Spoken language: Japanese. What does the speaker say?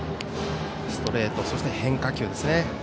ストレートそして変化球ですね。